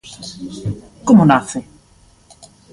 Como nace?